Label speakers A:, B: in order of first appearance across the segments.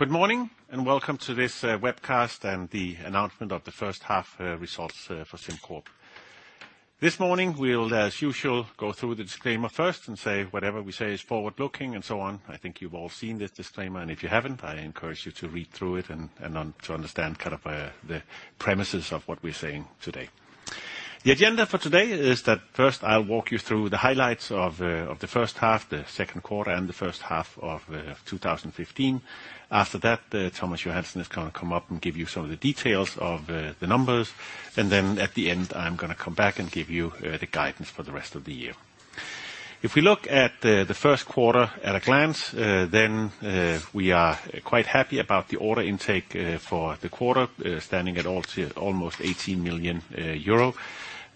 A: Good morning, and welcome to this webcast and the announcement of the first half results for SimCorp. This morning, we will, as usual, go through the disclaimer first and say whatever we say is forward-looking and so on. I think you have all seen this disclaimer, and if you have not, I encourage you to read through it and to understand the premises of what we are saying today. The agenda for today is that first I will walk you through the highlights of the first half, the second quarter, and the first half of 2015. After that, Thomas Johansen is going to come up and give you some of the details of the numbers. At the end, I am going to come back and give you the guidance for the rest of the year. If we look at the first quarter at a glance, we are quite happy about the order intake for the quarter, standing at almost 18 million euro.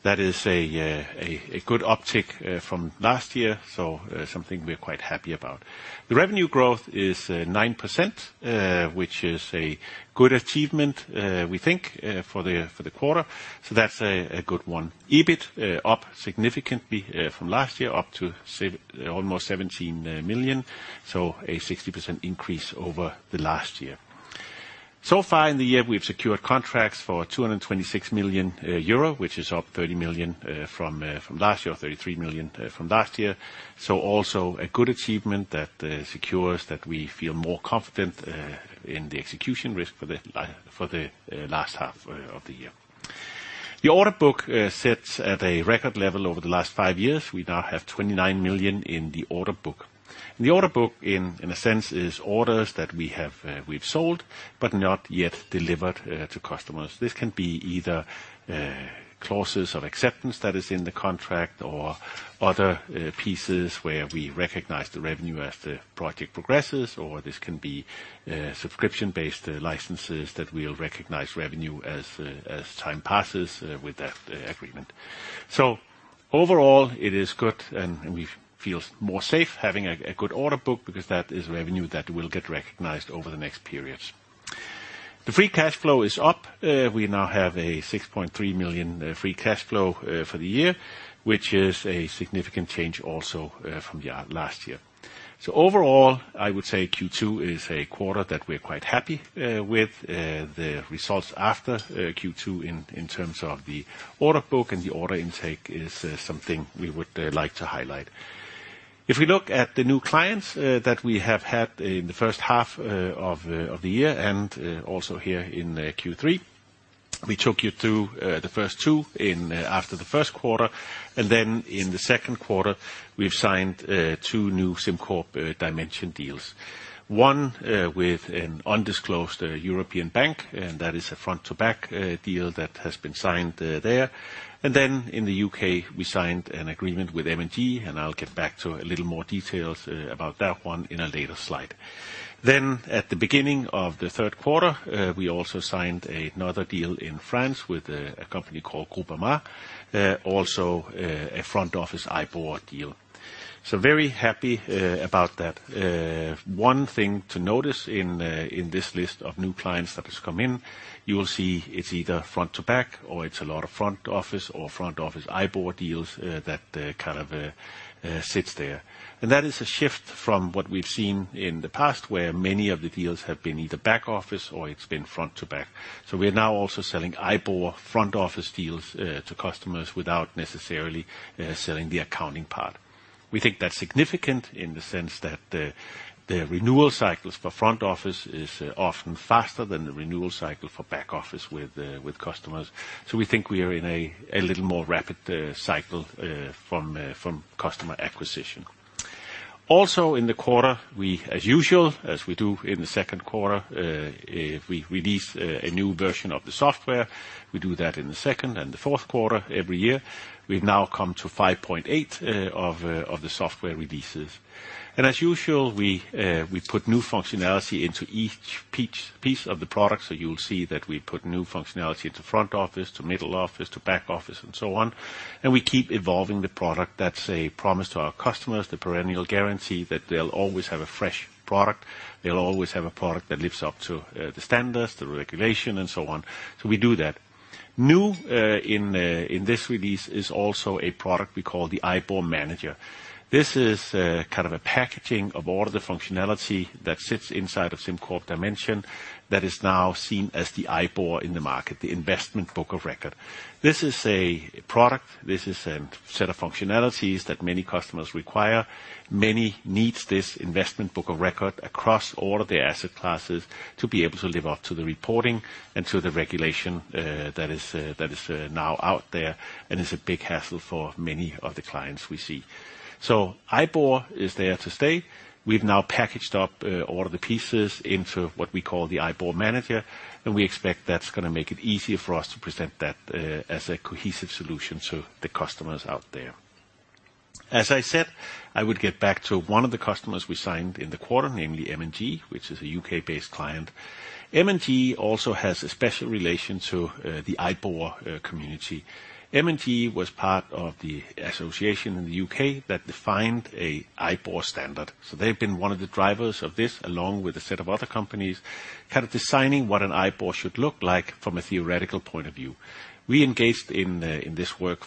A: That is a good uptick from last year, something we are quite happy about. The revenue growth is 9%, which is a good achievement, we think, for the quarter. That is a good one. EBIT up significantly from last year, up to almost 17 million. A 60% increase over the last year. So far in the year, we have secured contracts for 226 million euro, which is up 30 million from last year, or 33 million from last year. Also a good achievement that secures that we feel more confident in the execution risk for the last half of the year. The order book sits at a record level over the last five years. We now have 29 million in the order book. The order book in the sense is orders that we have sold but not yet delivered to customers. This can be either clauses of acceptance that is in the contract or other pieces where we recognize the revenue as the project progresses, or this can be subscription-based licenses that we will recognize revenue as time passes with that agreement. Overall, it is good, and we feel more safe having a good order book because that is revenue that will get recognized over the next periods. The free cash flow is up. We now have a 6.3 million free cash flow for the year, which is a significant change also from last year. Overall, I would say Q2 is a quarter that we are quite happy with. The results after Q2 in terms of the order book and the order intake is something we would like to highlight. If we look at the new clients that we have had in the first half of the year and also here in Q3, we took you through the first two after the first quarter. In the second quarter, we have signed two new SimCorp Dimension deals. One with an undisclosed European bank, and that is a front to back deal that has been signed there. In the U.K., we signed an agreement with M&G, and I will get back to a little more details about that one in a later slide. At the beginning of the third quarter, we also signed another deal in France with a company called Groupama, also a front-office IBOR deal. Very happy about that. One thing to notice in this list of new clients that has come in, you will see it's either front to back or it's a lot of front office or front-office IBOR deals that kind of sits there. That is a shift from what we've seen in the past, where many of the deals have been either back office or it's been front to back. We're now also selling IBOR front-office deals to customers without necessarily selling the accounting part. We think that's significant in the sense that the renewal cycles for front office is often faster than the renewal cycle for back office with customers. We think we are in a little more rapid cycle from customer acquisition. Also in the quarter, we, as usual, as we do in the second quarter, we release a new version of the software. We do that in the second and the fourth quarter every year. We've now come to 5.8 of the software releases. As usual, we put new functionality into each piece of the product. You'll see that we put new functionality into front office, to middle office, to back office, and so on. We keep evolving the product. That's a promise to our customers, the perennial guarantee that they'll always have a fresh product. They'll always have a product that lives up to the standards, the regulation, and so on. We do that. New in this release is also a product we call the IBOR Manager. This is kind of a packaging of all the functionality that sits inside of SimCorp Dimension that is now seen as the IBOR in the market, the investment book of record. This is a product, this is a set of functionalities that many customers require. Many needs this investment book of record across all of their asset classes to be able to live up to the reporting and to the regulation that is now out there and is a big hassle for many of the clients we see. IBOR is there to stay. We've now packaged up all of the pieces into what we call the IBOR Manager, and we expect that's going to make it easier for us to present that as a cohesive solution to the customers out there. As I said, I would get back to one of the customers we signed in the quarter, namely M&G, which is a U.K.-based client. M&G also has a special relation to the IBOR community. M&G was part of the association in the U.K. that defined a IBOR standard. They've been one of the drivers of this, along with a set of other companies Kind of designing what an IBOR should look like from a theoretical point of view. We engaged in this work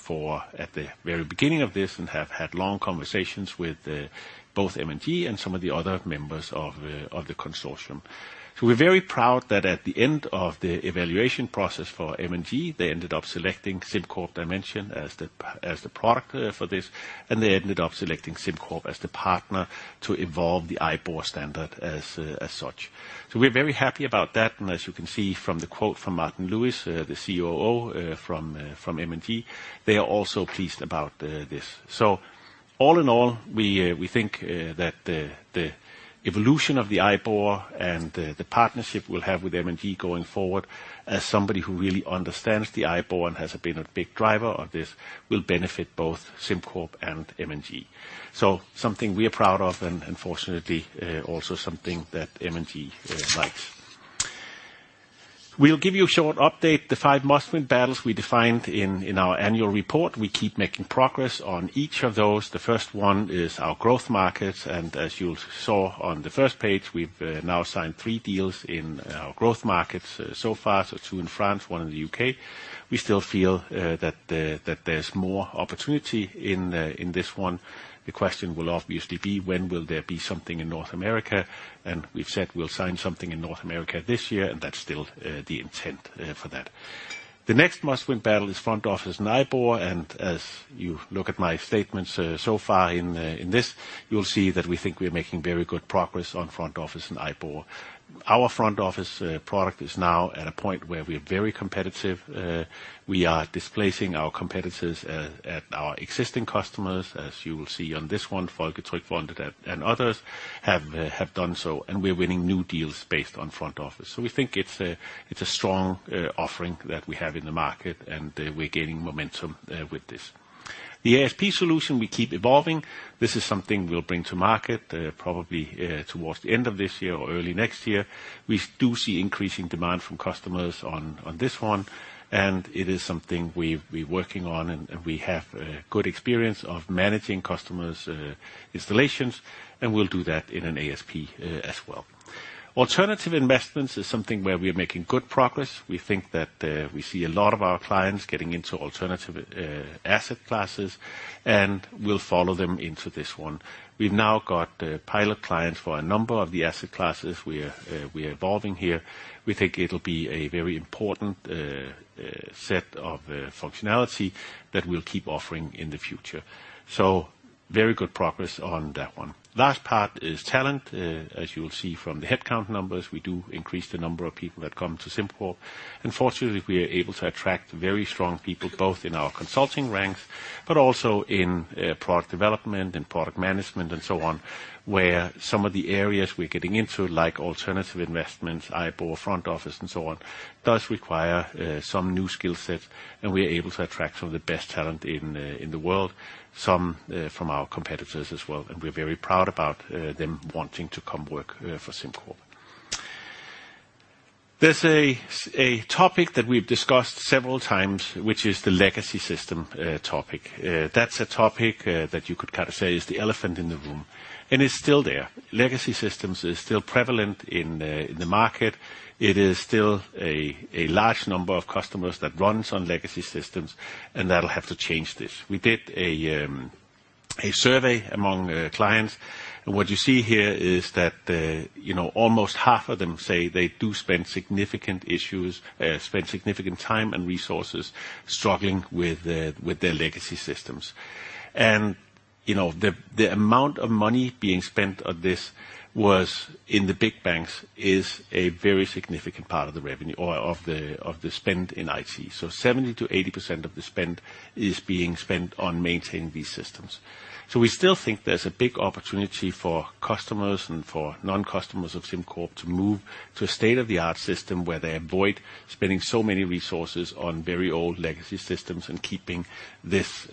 A: at the very beginning of this and have had long conversations with both M&G and some of the other members of the consortium. We're very proud that at the end of the evaluation process for M&G, they ended up selecting SimCorp Dimension as the product for this, and they ended up selecting SimCorp as the partner to evolve the IBOR standard as such. We're very happy about that, and as you can see from the quote from Martin Lewis, the COO from M&G, they are also pleased about this. All in all, we think that the evolution of the IBOR and the partnership we'll have with M&G going forward, as somebody who really understands the IBOR and has been a big driver of this, will benefit both SimCorp and M&G. Something we are proud of, and fortunately, also something that M&G likes. We'll give you a short update. The five must-win battles we defined in our annual report, we keep making progress on each of those. The first one is our growth markets, and as you saw on the first page, we've now signed three deals in our growth markets so far. Two in France, one in the U.K. We still feel that there's more opportunity in this one. The question will obviously be when will there be something in North America? We've said we'll sign something in North America this year, and that's still the intent for that. The next must-win battle is front office and IBOR, and as you look at my statements so far in this, you'll see that we think we're making very good progress on front office and IBOR. Our front office product is now at a point where we're very competitive. We are displacing our competitors at our existing customers. As you will see on this one, Folketrygdfondet and others have done so, and we're winning new deals based on front office. We think it's a strong offering that we have in the market, and we're gaining momentum with this. The ASP solution we keep evolving. This is something we'll bring to market probably towards the end of this year or early next year. We do see increasing demand from customers on this one, and it is something we're working on, and we have good experience of managing customers' installations, and we'll do that in an ASP as well. Alternative investments is something where we're making good progress. We think that we see a lot of our clients getting into alternative asset classes, and we'll follow them into this one. We've now got pilot clients for a number of the asset classes we are evolving here. We think it'll be a very important set of functionality that we'll keep offering in the future. Very good progress on that one. Last part is talent. As you will see from the headcount numbers, we do increase the number of people that come to SimCorp. Fortunately, we are able to attract very strong people, both in our consulting ranks but also in product development and product management and so on, where some of the areas we're getting into, like alternative investments, IBOR, front office, and so on, does require some new skill sets, and we are able to attract some of the best talent in the world, some from our competitors as well. We're very proud about them wanting to come work for SimCorp. There's a topic that we've discussed several times, which is the legacy system topic. That's a topic that you could kind of say is the elephant in the room, and it's still there. Legacy systems is still prevalent in the market. It is still a large number of customers that runs on legacy systems, and that'll have to change this. We did a survey among clients. What you see here is that almost half of them say they do spend significant time and resources struggling with their legacy systems. The amount of money being spent on this was, in the big banks, is a very significant part of the revenue or of the spend in IT. 70%-80% of the spend is being spent on maintaining these systems. We still think there's a big opportunity for customers and for non-customers of SimCorp to move to a state-of-the-art system where they avoid spending so many resources on very old legacy systems and keeping this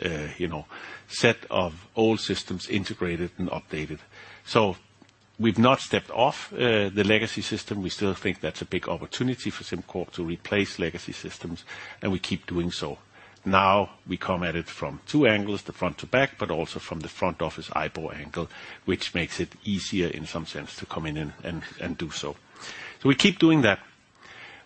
A: set of old systems integrated and updated. We've not stepped off the legacy system. We still think that's a big opportunity for SimCorp to replace legacy systems, and we keep doing so. We come at it from two angles, the front to back, but also from the front office IBOR angle, which makes it easier in some sense to come in and do so. We keep doing that.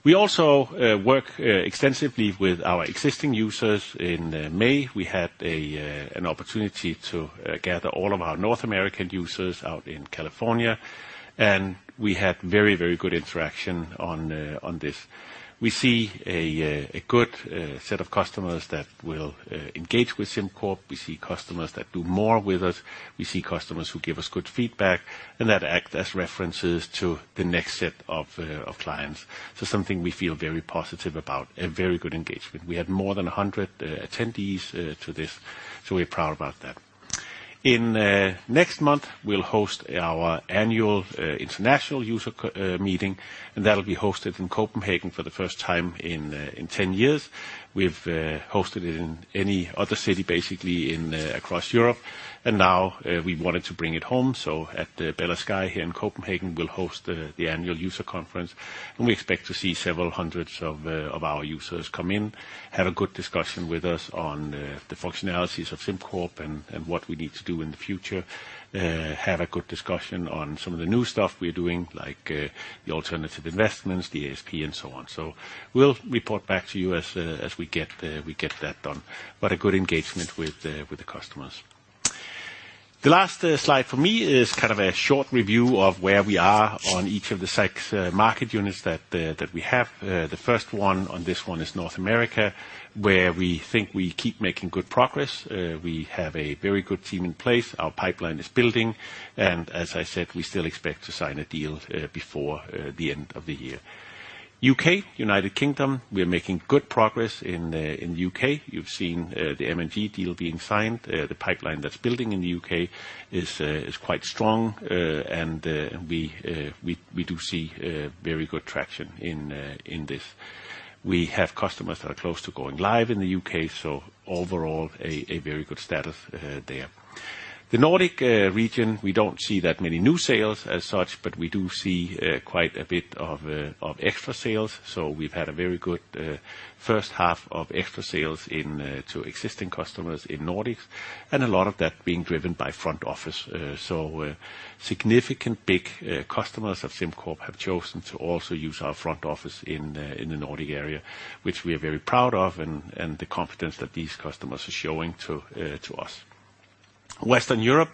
A: We also work extensively with our existing users. In May, we had an opportunity to gather all of our North American users out in California, and we had very good interaction on this. We see a good set of customers that will engage with SimCorp. We see customers that do more with us. We see customers who give us good feedback and that act as references to the next set of clients. Something we feel very positive about, a very good engagement. We had more than 100 attendees to this. We're proud about that. Next month, we'll host our annual international user meeting, and that'll be hosted in Copenhagen for the first time in 10 years. We've hosted it in any other city, basically across Europe, and now we wanted to bring it home. At the Bella Sky here in Copenhagen, we'll host the annual user conference, and we expect to see several hundreds of our users come in, have a good discussion with us on the functionalities of SimCorp and what we need to do in the future. Have a good discussion on some of the new stuff we're doing, like the alternative investments, the ASP, and so on. We'll report back to you as we get that done. A good engagement with the customers. The last slide for me is kind of a short review of where we are on each of the six market units that we have. The first one on this one is North America, where we think we keep making good progress. We have a very good team in place. Our pipeline is building, and as I said, we still expect to sign a deal before the end of the year. U.K., United Kingdom, we are making good progress in the U.K. You've seen the M&G deal being signed. The pipeline that's building in the U.K. is quite strong. We do see very good traction in this. We have customers that are close to going live in the U.K., so overall a very good status there. The Nordic region, we don't see that many new sales as such, but we do see quite a bit of extra sales. We've had a very good first half of extra sales to existing customers in Nordics, and a lot of that being driven by front office. Significant big customers of SimCorp have chosen to also use our front office in the Nordic area, which we are very proud of and the confidence that these customers are showing to us. Western Europe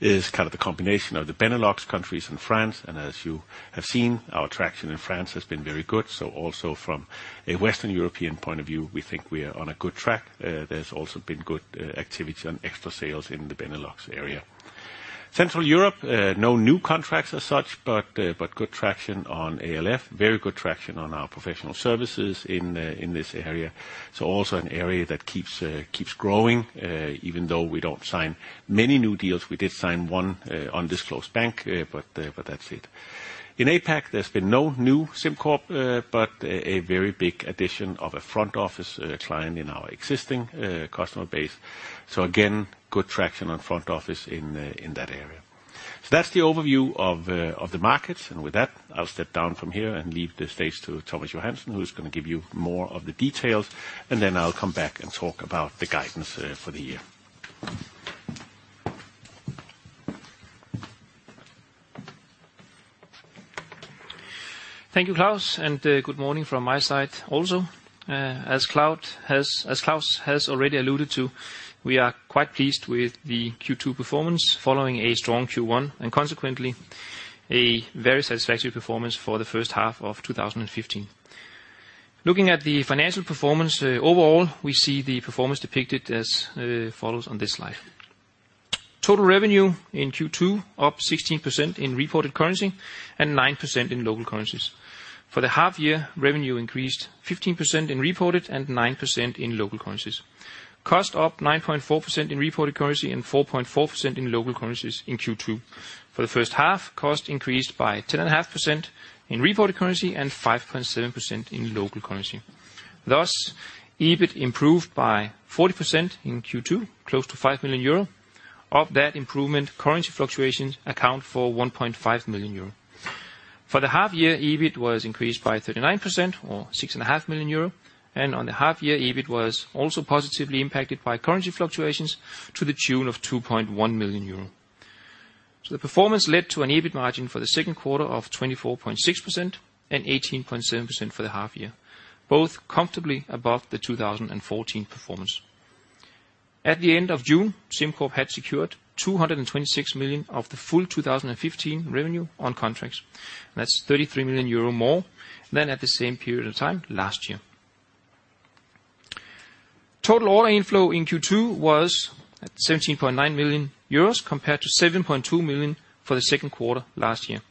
A: is kind of the combination of the Benelux countries and France. As you have seen, our traction in France has been very good. Also from a Western European point of view, we think we are on a good track. There's also been good activity on extra sales in the Benelux area. Central Europe, no new contracts as such, but good traction on ALF. Very good traction on our professional services in this area. Also an area that keeps growing. Even though we don't sign many new deals, we did sign one undisclosed bank, but that's it. In APAC, there's been no new SimCorp, but a very big addition of a front office client in our existing customer base. Again, good traction on front office in that area. That's the overview of the markets, and with that, I'll step down from here and leave the stage to Thomas Johansen, who's going to give you more of the details, and then I'll come back and talk about the guidance for the year.
B: Thank you, Klaus, and good morning from my side also. As Klaus has already alluded to, we are quite pleased with the Q2 performance following a strong Q1, and consequently, a very satisfactory performance for the first half of 2015. Looking at the financial performance overall, we see the performance depicted as follows on this slide. Total revenue in Q2 up 16% in reported currency and 9% in local currencies. For the half year, revenue increased 15% in reported and 9% in local currencies. Cost up 9.4% in reported currency and 4.4% in local currencies in Q2. For the first half, cost increased by 10.5% in reported currency and 5.7% in local currency. Thus, EBIT improved by 40% in Q2, close to 5 million euro. Of that improvement, currency fluctuations account for 1.5 million euro. For the half year, EBIT was increased by 39% or 6.5 million euro. On the half year, EBIT was also positively impacted by currency fluctuations to the tune of 2.1 million euro. The performance led to an EBIT margin for the second quarter of 24.6% and 18.7% for the half year, both comfortably above the 2014 performance. At the end of June, SimCorp had secured 226 million of the full 2015 revenue on contracts. That's 33 million euro more than at the same period of time last year. Total order inflow in Q2 was at 17.9 million euros compared to 7.2 million for the second quarter last year.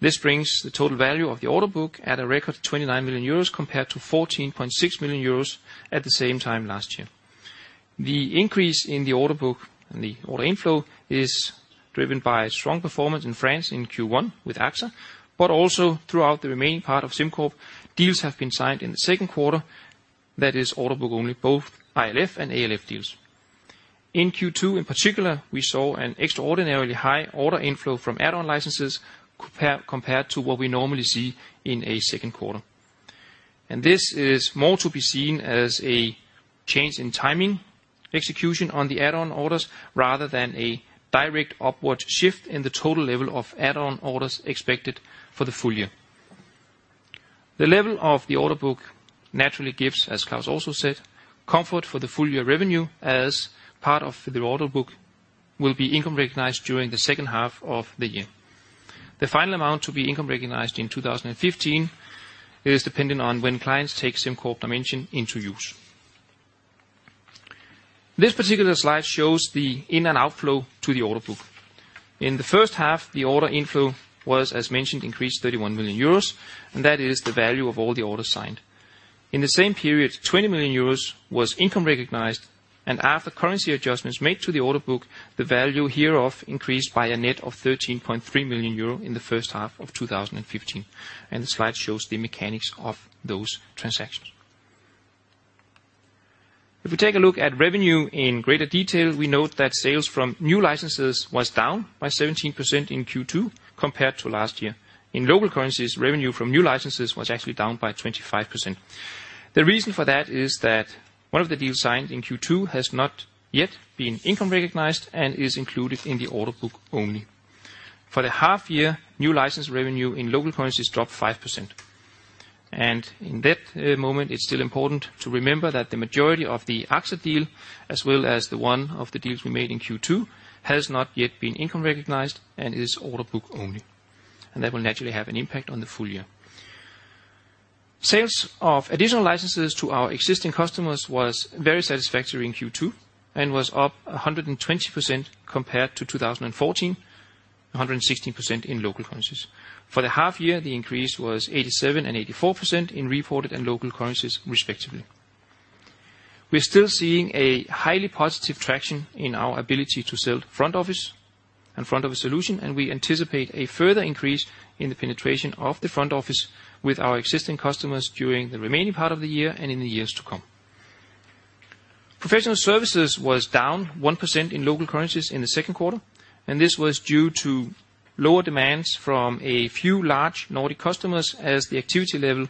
B: This brings the total value of the order book at a record 29 million euros compared to 14.6 million euros at the same time last year. The increase in the order book and the order inflow is driven by strong performance in France in Q1 with AXA, but also throughout the remaining part of SimCorp, deals have been signed in the second quarter. That is order book only, both ILF and ALF deals. In Q2 in particular, we saw an extraordinarily high order inflow from add-on licenses compared to what we normally see in a second quarter. This is more to be seen as a change in timing execution on the add-on orders rather than a direct upward shift in the total level of add-on orders expected for the full year. The level of the order book naturally gives, as Klaus also said, comfort for the full year revenue as part of the order book will be income recognized during the second half of the year. The final amount to be income recognized in 2015 is dependent on when clients take SimCorp Dimension into use. This particular slide shows the in and outflow to the order book. In the first half, the order inflow was, as mentioned, increased 31 million euros. That is the value of all the orders signed. In the same period, 20 million euros was income recognized, and after currency adjustments made to the order book, the value hereof increased by a net of 13.3 million euro in the first half of 2015. The slide shows the mechanics of those transactions. If we take a look at revenue in greater detail, we note that sales from new licenses was down by 17% in Q2 compared to last year. In local currencies, revenue from new licenses was actually down by 25%. The reason for that is that one of the deals signed in Q2 has not yet been income recognized and is included in the order book only. For the half year, new license revenue in local currencies dropped 5%. In that moment, it's still important to remember that the majority of the AXA deal, as well as one of the deals we made in Q2, has not yet been income recognized and is order book only. That will naturally have an impact on the full year. Sales of additional licenses to our existing customers was very satisfactory in Q2 and was up 120% compared to 2014, 116% in local currencies. For the half year, the increase was 87% and 84% in reported and local currencies, respectively. We're still seeing a highly positive traction in our ability to sell front office and front office solution. We anticipate a further increase in the penetration of the front office with our existing customers during the remaining part of the year and in the years to come. Professional services was down 1% in local currencies in the second quarter. This was due to lower demands from a few large Nordic customers, as the activity level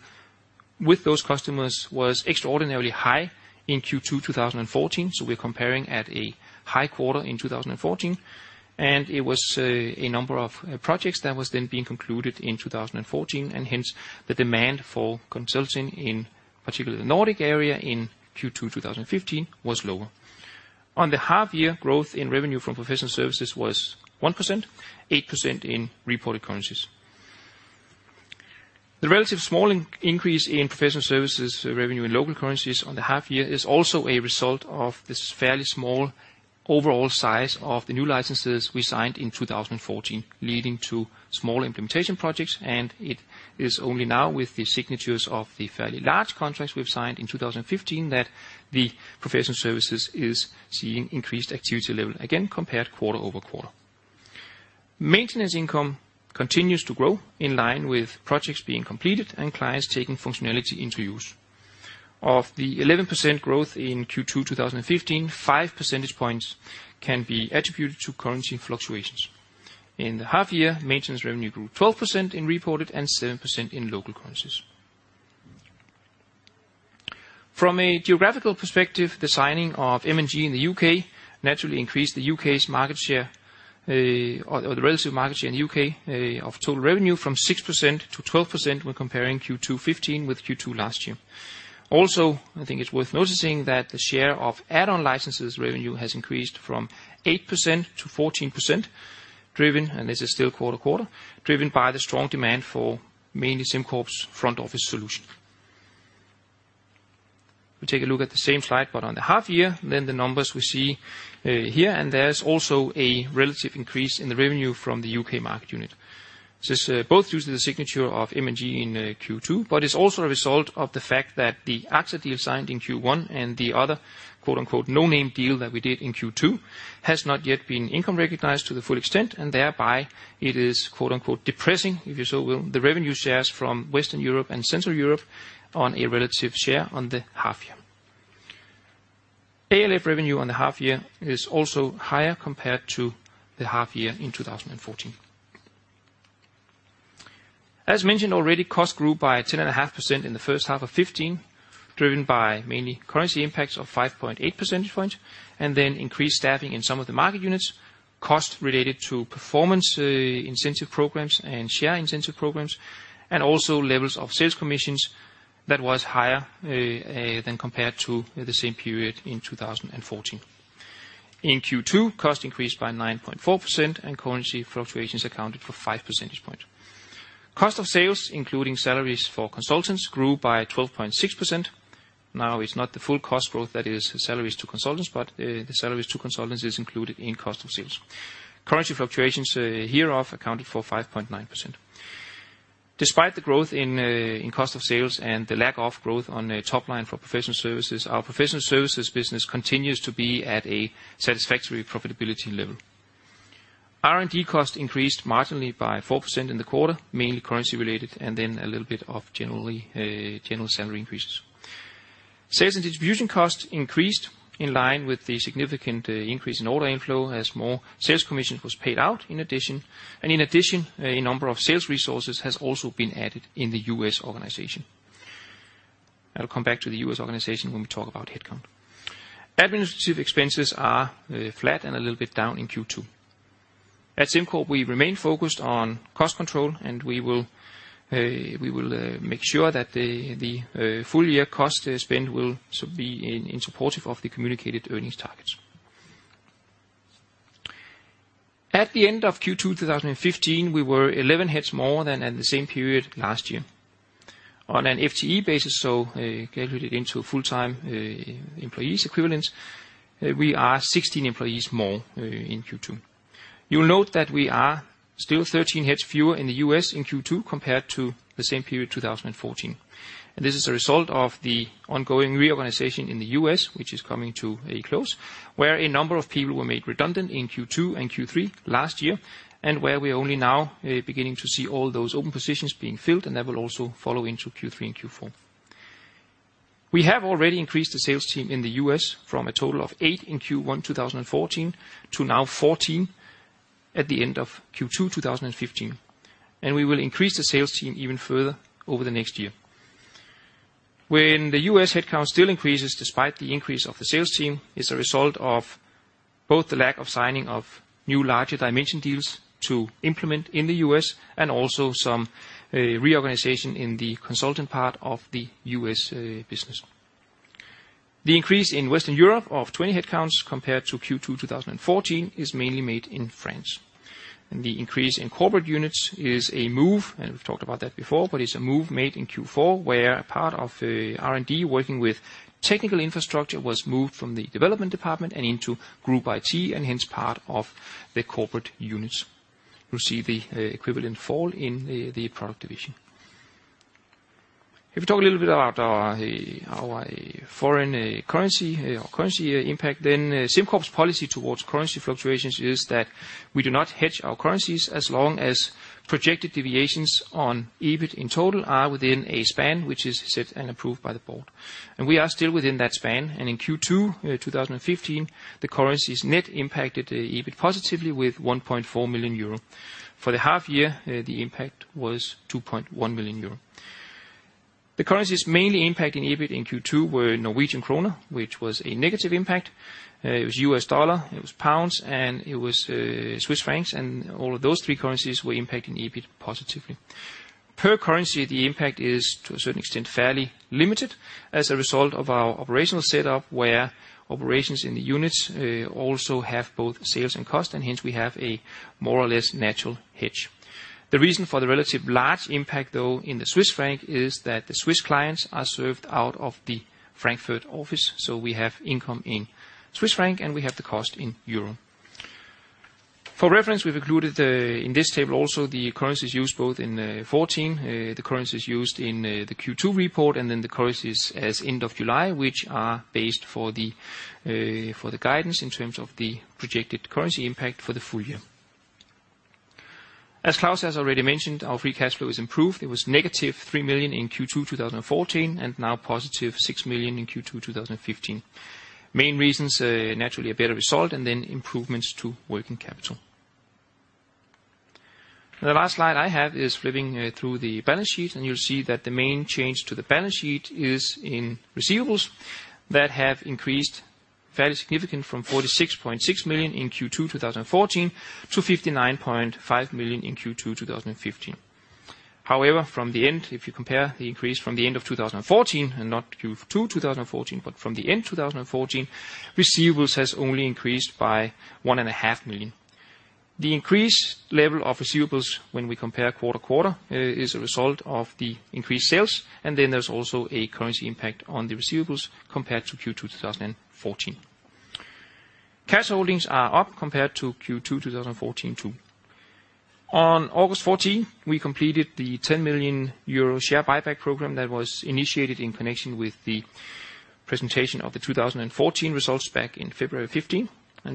B: with those customers was extraordinarily high in Q2 2014. We're comparing at a high quarter in 2014. It was a number of projects that was then being concluded in 2014, and hence the demand for consulting in particularly the Nordic area in Q2 2015 was lower. On the half year, growth in revenue from professional services was 1%, 8% in reported currencies. The relative small increase in professional services revenue in local currencies on the half year is also a result of this fairly small overall size of the new licenses we signed in 2014, leading to small implementation projects. It is only now with the signatures of the fairly large contracts we've signed in 2015 that the professional services is seeing increased activity level again compared quarter-over-quarter. Maintenance income continues to grow in line with projects being completed and clients taking functionality into use. Of the 11% growth in Q2 2015, 5 percentage points can be attributed to currency fluctuations. In the half year, maintenance revenue grew 12% in reported and 7% in local currencies. From a geographical perspective, the signing of M&G in the U.K. naturally increased the U.K.'s market share, or the relative market share in the U.K. of total revenue from 6% to 12% when comparing Q2 2015 with Q2 last year. I think it's worth noticing that the share of add-on licenses revenue has increased from 8% to 14%. This is still quarter-over-quarter, driven by the strong demand for mainly SimCorp's front office solution. We take a look at the same slide, but on the half year. The numbers we see here, there's also a relative increase in the revenue from the U.K. market unit. This is both due to the signature of M&G in Q2, but it's also a result of the fact that the AXA deal signed in Q1 and the other "no-name deal" that we did in Q2 has not yet been income recognized to the full extent. Thereby it is "depressing," if you so will, the revenue shares from Western Europe and Central Europe on a relative share on the half year. ALF revenue on the half year is also higher compared to the half year in 2014. As mentioned already, cost grew by 10.5% in the first half of 2015, driven by mainly currency impacts of 5.8 percentage points. Increased staffing in some of the market units, cost related to performance incentive programs and share incentive programs, also levels of sales commissions that was higher than compared to the same period in 2014. In Q2, cost increased by 9.4% and currency fluctuations accounted for 5 percentage points. Cost of sales, including salaries for consultants, grew by 12.6%. It's not the full cost growth that is salaries to consultants, but the salaries to consultants is included in cost of sales. Currency fluctuations hereof accounted for 5.9%. Despite the growth in cost of sales and the lack of growth on top line for professional services, our professional services business continues to be at a satisfactory profitability level. R&D cost increased marginally by 4% in the quarter, mainly currency related, and then a little bit of general salary increases. Sales and distribution costs increased in line with the significant increase in order inflow as more sales commission was paid out in addition. In addition, a number of sales resources has also been added in the U.S. organization. I'll come back to the U.S. organization when we talk about headcount. Administrative expenses are flat and a little bit down in Q2. At SimCorp, we remain focused on cost control, we will make sure that the full year cost spend will be in supportive of the communicated earnings targets. At the end of Q2 2015, we were 11 heads more than at the same period last year. On an FTE basis, so calculated into full-time employees equivalents, we are 16 employees more in Q2. You'll note that we are still 13 heads fewer in the U.S. in Q2 compared to the same period 2014. This is a result of the ongoing reorganization in the U.S., which is coming to a close, where a number of people were made redundant in Q2 and Q3 last year, and where we are only now beginning to see all those open positions being filled, and that will also follow into Q3 and Q4. We have already increased the sales team in the U.S. from a total of eight in Q1 2014 to now 14 at the end of Q2 2015. We will increase the sales team even further over the next year. When the U.S. headcount still increases despite the increase of the sales team, it's a result of both the lack of signing of new larger Dimension deals to implement in the U.S. and also some reorganization in the consulting part of the U.S. business. The increase in Western Europe of 20 headcounts compared to Q2 2014 is mainly made in France. The increase in corporate units is a move, and we've talked about that before, but it's a move made in Q4, where part of the R&D working with technical infrastructure was moved from the development department and into group IT and hence part of the corporate units. You'll see the equivalent fall in the product division. If we talk a little bit about our foreign currency or currency impact, then SimCorp's policy towards currency fluctuations is that we do not hedge our currencies as long as projected deviations on EBIT in total are within a span which is set and approved by the board. We are still within that span. In Q2 2015, the currencies net impacted EBIT positively with 1.4 million euro. For the half-year, the impact was 2.1 million euro. The currencies mainly impacting EBIT in Q2 were NOK, which was a negative impact. It was USD, it was GBP, and it was CHF, and all of those three currencies were impacting EBIT positively. Per currency, the impact is, to a certain extent, fairly limited as a result of our operational setup, where operations in the units also have both sales and cost, and hence we have a more or less natural hedge. The reason for the relative large impact, though, in the CHF is that the Swiss clients are served out of the Frankfurt office, so we have income in CHF, and we have the cost in EUR. For reference, we've included in this table also the currencies used both in 2014, then the currencies used in the Q2 report, then the currencies as end of July, which are based for the guidance in terms of the projected currency impact for the full year. As Klaus has already mentioned, our free cash flow is improved. It was negative 3 million in Q2 2014, now positive 6 million in Q2 2015. Main reasons, naturally, a better result then improvements to working capital. The last slide I have is flipping through the balance sheet. You'll see that the main change to the balance sheet is in receivables that have increased fairly significant from 46.6 million in Q2 2014 to 59.5 million in Q2 2015. However, from the end, if you compare the increase from the end of 2014 and not Q2 2014 but from the end 2014, receivables has only increased by 1.5 Million. The increased level of receivables when we compare quarter-over-quarter is a result of the increased sales, then there's also a currency impact on the receivables compared to Q2 2014. Cash holdings are up compared to Q2 2014, too. On August 14, we completed the 10 million euro share buyback program that was initiated in connection with the presentation of the 2014 results back in February 2015.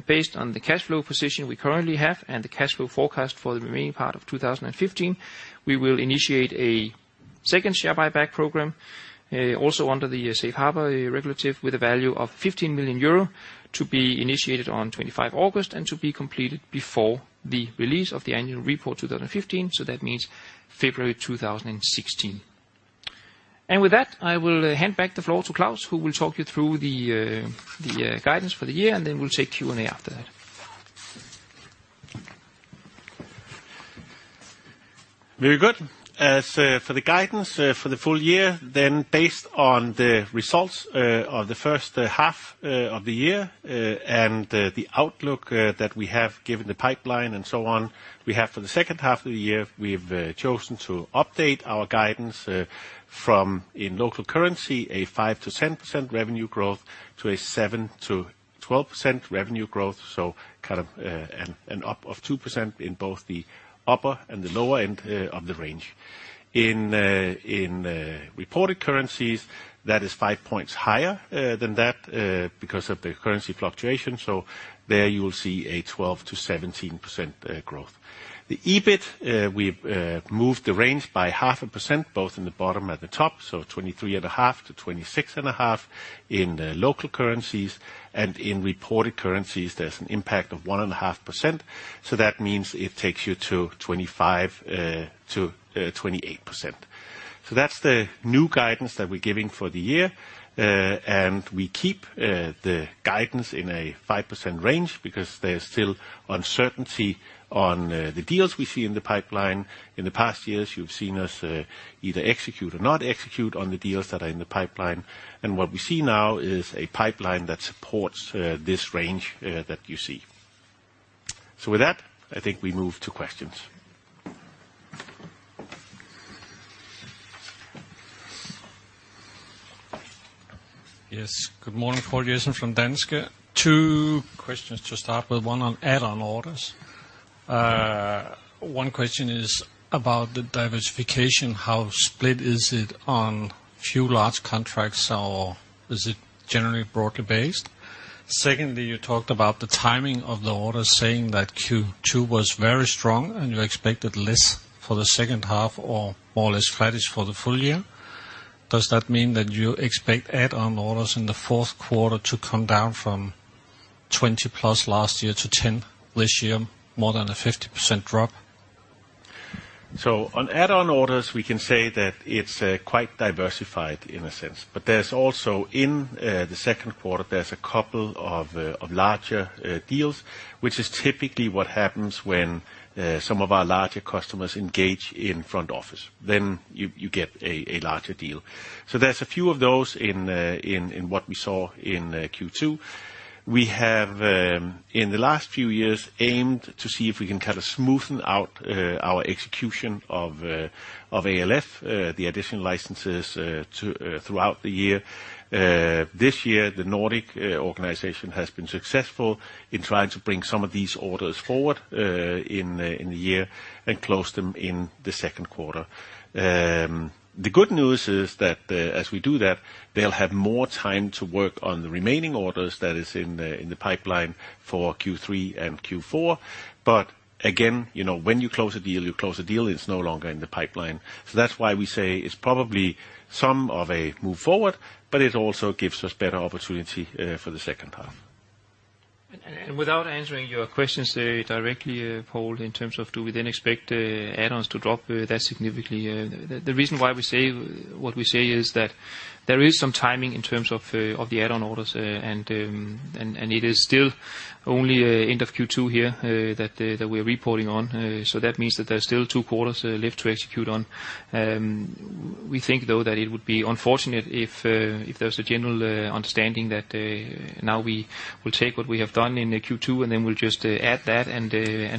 B: Based on the cash flow position we currently have and the cash flow forecast for the remaining part of 2015, we will initiate a second share buyback program, also under the safe harbor regulative, with a value of 15 million euro to be initiated on 25 August and to be completed before the release of the annual report 2015, so that means February 2016. With that, I will hand back the floor to Klaus, who will talk you through the guidance for the year, then we'll take Q&A after that.
A: Very good. As for the guidance for the full year, based on the results of the first half of the year and the outlook that we have given the pipeline and so on, we have for the second half of the year, we've chosen to update our guidance from, in local currency, a 5%-10% revenue growth to a 7%-12% revenue growth, kind of an up of 2% in both the upper and the lower end of the range. In reported currencies, that is five points higher than that because of the currency fluctuation. There you will see a 12%-17% growth. The EBIT, we've moved the range by half a percent, both in the bottom and the top, so 23.5%-26.5% in the local currencies. In reported currencies, there's an impact of 1.5%, that means it takes you to 25%-28%. That's the new guidance that we're giving for the year. We keep the guidance in a 5% range because there's still uncertainty on the deals we see in the pipeline. In the past years, you've seen us either execute or not execute on the deals that are in the pipeline. What we see now is a pipeline that supports this range that you see. With that, I think we move to questions.
C: Yes. Good morning, Paul Jensen from Danske Bank. Two questions to start with, one on add-on orders. One question is about the diversification. How split is it on few large contracts, or is it generally broadly based? Secondly, you talked about the timing of the orders saying that Q2 was very strong and you expected less for the second half or more or less flattish for the full year. Does that mean that you expect add-on orders in the fourth quarter to come down from 20 plus last year to 10 this year? More than a 50% drop.
A: On add-on orders, we can say that it's quite diversified in a sense. There's also in the second quarter, there's a couple of larger deals, which is typically what happens when some of our larger customers engage in front office, then you get a larger deal. There's a few of those in what we saw in Q2. We have in the last few years, aimed to see if we can kind of smoothen out our execution of ALF, the additional licenses throughout the year. This year, the Nordic organization has been successful in trying to bring some of these orders forward in the year and close them in the second quarter. The good news is that as we do that, they'll have more time to work on the remaining orders that is in the pipeline for Q3 and Q4. Again, when you close a deal, you close a deal, it's no longer in the pipeline. That's why we say it's probably some of a move forward, but it also gives us better opportunity for the second half.
B: Without answering your questions directly, Paul, in terms of do we then expect add-ons to drop that significantly? The reason why we say what we say is that there is some timing in terms of the add-on orders, and it is still only end of Q2 here that we're reporting on. That means that there's still two quarters left to execute on. We think though, that it would be unfortunate if there was a general understanding that now we will take what we have done in the Q2, and then we'll just add that and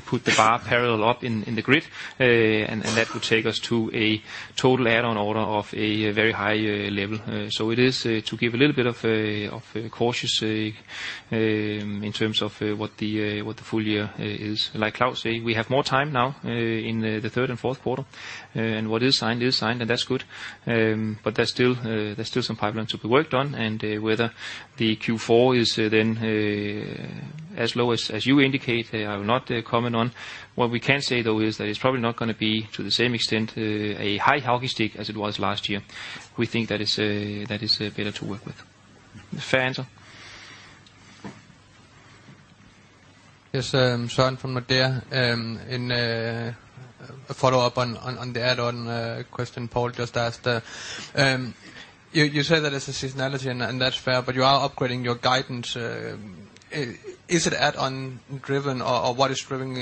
B: put the bar parallel up in the grid. That would take us to a total add-on order of a very high level. It is to give a little bit of caution in terms of what the full year is. Like Klaus said, we have more time now in the third and fourth quarter. What is signed is signed, and that's good. There's still some pipeline to be worked on, and whether the Q4 is then as low as you indicate, I will not comment on. What we can say though, is that it's probably not going to be to the same extent a high hockey stick as it was last year. We think that is better to work with. Fair answer?
C: Yes. From my dear, in a follow-up on the add-on question Paul just asked. You said that it's a seasonality and that's fair, but you are upgrading your guidance. Is it add-on driven or what is driving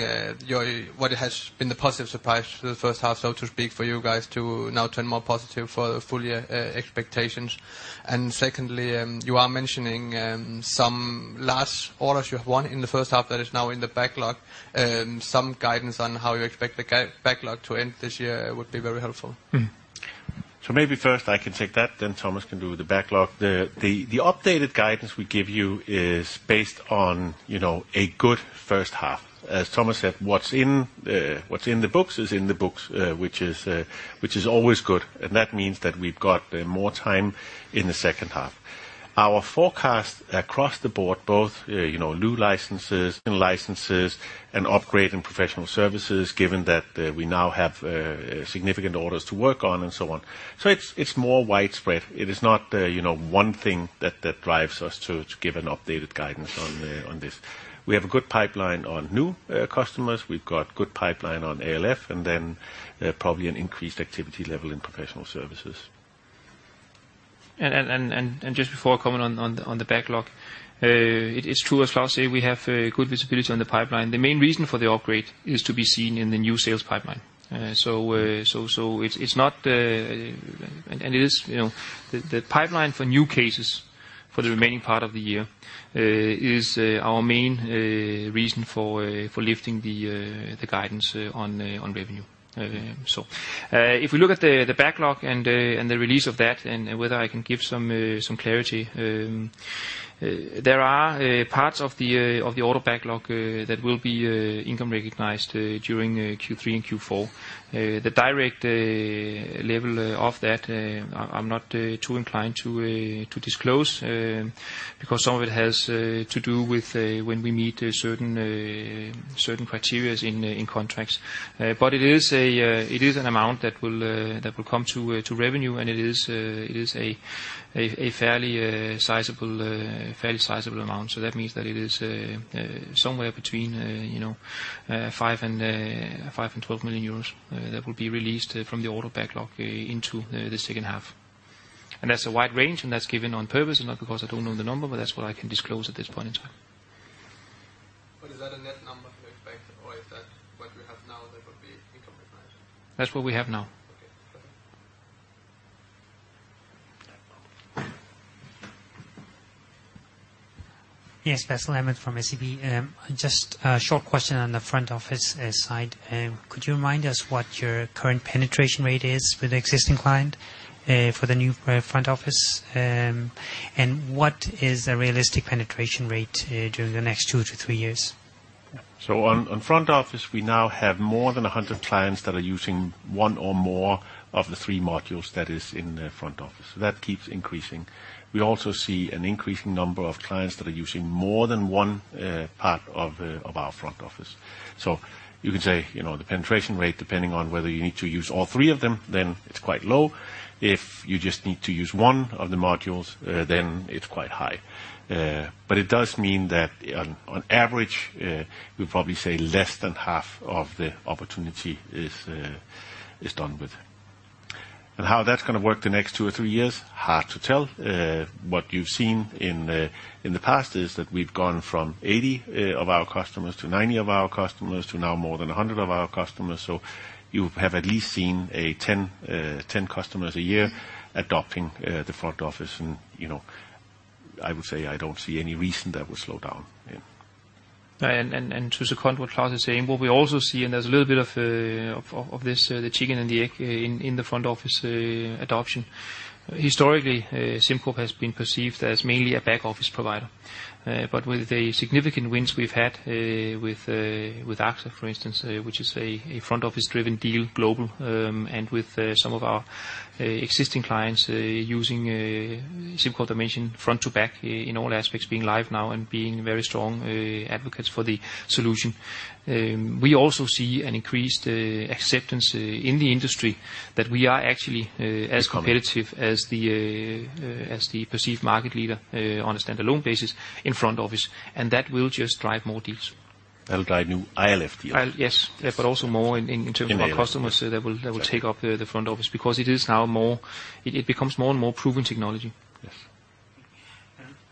C: what has been the positive surprise for the first half, so to speak, for you guys to now turn more positive for the full year expectations? Secondly, you are mentioning some large orders you have won in the first half that is now in the backlog. Some guidance on how you expect the backlog to end this year would be very helpful.
A: Maybe first I can take that, then Thomas can do the backlog. The updated guidance we give you is based on a good first half. As Thomas said, what's in the books is in the books, which is always good. That means that we've got more time in the second half. Our forecast across the board, both new licenses and licenses and upgrade in professional services, given that we now have significant orders to work on and so on. It's more widespread. It is not one thing that drives us to give an updated guidance on this. We have a good pipeline on new customers. We've got good pipeline on ALF and then probably an increased activity level in professional services.
B: Just before I comment on the backlog. It is true, as Klaus said, we have good visibility on the pipeline. The main reason for the upgrade is to be seen in the new sales pipeline. The pipeline for new cases for the remaining part of the year is our main reason for lifting the guidance on revenue. If we look at the backlog and the release of that and whether I can give some clarity. There are parts of the order backlog that will be income recognized during Q3 and Q4. The direct level of that I'm not too inclined to disclose because some of it has to do with when we meet certain criteria in contracts. It is an amount that will come to revenue, and it is a fairly sizable amount. That means that it is somewhere between €5 million and €12 million that will be released from the order backlog into the second half. That's a wide range, and that's given on purpose, not because I don't know the number, but that's what I can disclose at this point in time.
C: Is that a net number to expect or is that what you have now that would be income recognized?
B: That's what we have now.
C: Okay.
D: Basile Emmet from SEB. Just a short question on the front office side. Could you remind us what your current penetration rate is with the existing client for the new front office? What is the realistic penetration rate during the next two to three years?
A: On front office, we now have more than 100 clients that are using one or more of the three modules that is in the front office. That keeps increasing. We also see an increasing number of clients that are using more than one part of our front office. You can say the penetration rate, depending on whether you need to use all three of them, then it's quite low. If you just need to use one of the modules, then it's quite high. It does mean that on average, we'll probably say less than half of the opportunity is done with. How that's going to work the next two or three years? Hard to tell. What you've seen in the past is that we've gone from 80 of our customers to 90 of our customers, to now more than 100 of our customers. You have at least seen 10 customers a year adopting the front office. I would say, I don't see any reason that would slow down. Yeah.
B: To second what Klaus is saying, what we also see, there's a little bit of this, the chicken and the egg in the front office adoption. Historically, SimCorp has been perceived as mainly a back-office provider. With the significant wins we've had with AXA, for instance, which is a front-office driven deal global, with some of our existing clients using SimCorp Dimension front to back in all aspects, being live now and being very strong advocates for the solution. We also see an increased acceptance in the industry that we are actually as competitive-
A: Incumbent
B: as the perceived market leader on a standalone basis in front office, and that will just drive more deals.
A: That'll drive new ILF deals.
B: Yes. Also more in terms of our customers that will take up the front office because it is now more, it becomes more and more proven technology.
A: Yes.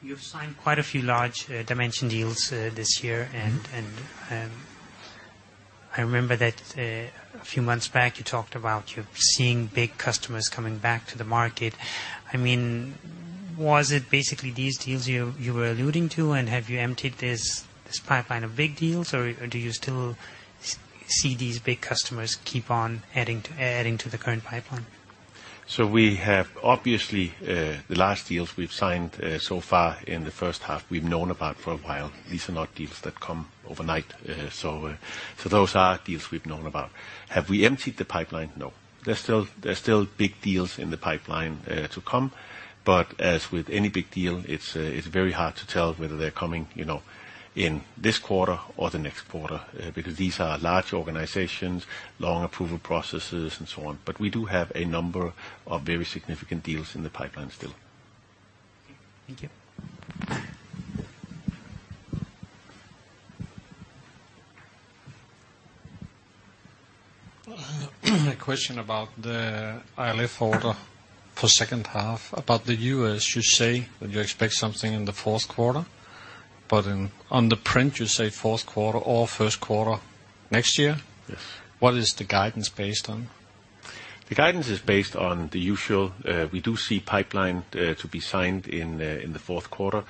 D: You've signed quite a few large SimCorp Dimension deals this year, and I remember that a few months back you talked about you seeing big customers coming back to the market. Was it basically these deals you were alluding to, and have you emptied this pipeline of big deals, or do you still see these big customers keep on adding to the current pipeline?
A: We have obviously the last deals we've signed so far in the first half we've known about for a while. These are not deals that come overnight. Those are deals we've known about. Have we emptied the pipeline? No. There's still big deals in the pipeline to come. As with any big deal, it's very hard to tell whether they're coming in this quarter or the next quarter, because these are large organizations, long approval processes and so on. We do have a number of very significant deals in the pipeline still.
D: Thank you.
E: A question about the ILF order for second half. About the U.S., you say that you expect something in the fourth quarter, on the print you say fourth quarter or first quarter next year?
A: Yes.
E: What is the guidance based on?
A: The guidance is based on the usual, we do see pipeline to be signed in the fourth quarter.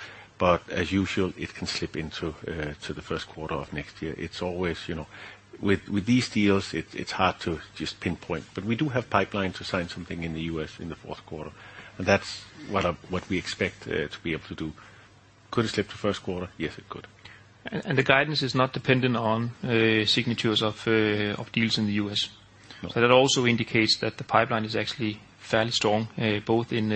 A: As usual, it can slip into the first quarter of next year. It's always with these deals, it's hard to just pinpoint. We do have pipeline to sign something in the U.S. in the fourth quarter, and that's what we expect to be able to do. Could it slip to first quarter? Yes, it could.
B: The guidance is not dependent on signatures of deals in the U.S.
A: No.
B: That also indicates that the pipeline is actually fairly strong, both in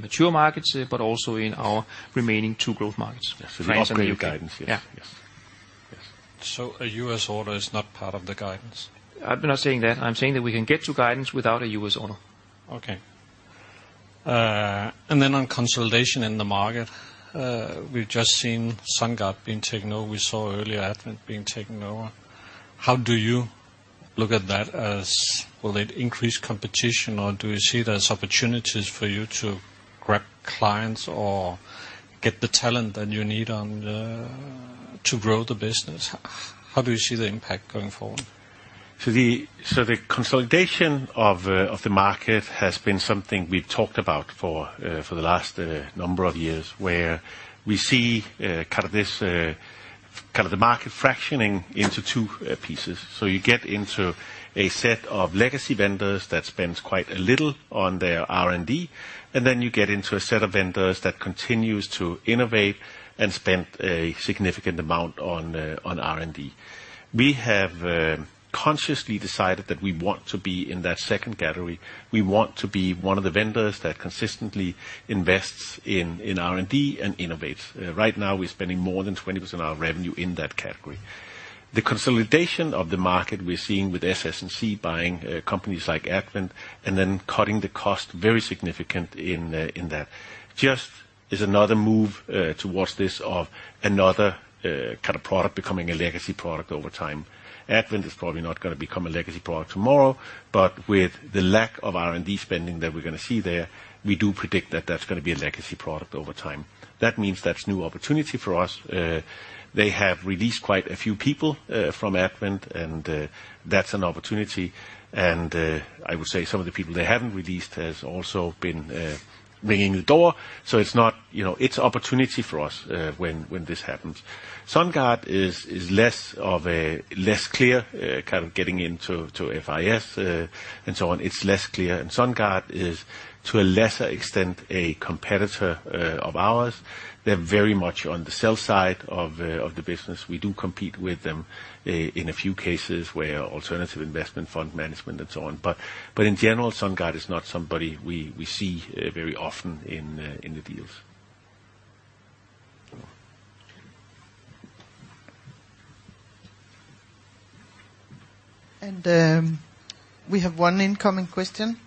B: mature markets, but also in our remaining two growth markets.
A: Yes. The upgrade guidance.
B: Yeah.
A: Yes.
E: A U.S. order is not part of the guidance?
B: I'm not saying that. I'm saying that we can get to guidance without a U.S. order.
E: Okay. On consolidation in the market. We've just seen SunGard being taken over. We saw earlier Advent being taken over. How do you look at that as will it increase competition, or do you see it as opportunities for you to grab clients or get the talent that you need on to grow the business? How do you see the impact going forward?
A: The consolidation of the market has been something we've talked about for the last number of years, where we see this kind of the market fractioning into two pieces. You get into a set of legacy vendors that spends quite a little on their R&D, and then you get into a set of vendors that continues to innovate and spend a significant amount on R&D. We have consciously decided that we want to be in that second category. We want to be one of the vendors that consistently invests in R&D and innovates. Right now we're spending more than 20% of our revenue in that category. The consolidation of the market we're seeing with SS&C buying companies like Advent and then cutting the cost very significant in that, just is another move towards this, of another kind of product becoming a legacy product over time. Advent is probably not going to become a legacy product tomorrow, but with the lack of R&D spending that we're going to see there, we do predict that that's going to be a legacy product over time. That means that's new opportunity for us. They have released quite a few people from Advent, and that's an opportunity. I would say some of the people they haven't released has also been ringing the door. It's opportunity for us when this happens. SunGard is less clear, kind of getting into FIS and so on. It's less clear. SunGard is, to a lesser extent, a competitor of ours. They're very much on the sell side of the business. We do compete with them in a few cases where alternative investment, fund management and so on. In general, SunGard is not somebody we see very often in the deals.
F: We have one incoming question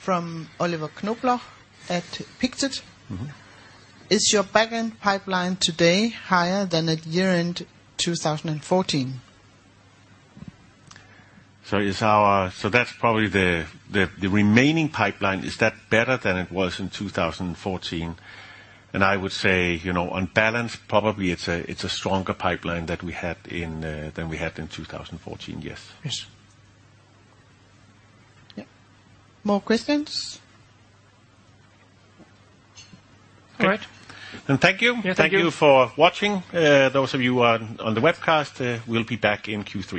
F: from Oliver Knobloch at Pictet. Is your back end pipeline today higher than at year-end 2014?
A: That's probably the remaining pipeline. Is that better than it was in 2014? I would say, on balance, probably it's a stronger pipeline than we had in 2014. Yes.
B: Yes.
F: Yeah. More questions? All right.
A: Thank you.
B: Yeah, thank you.
A: Thank you for watching. Those of you on the webcast, we will be back in Q3.